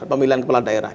pemilihan kepala daerah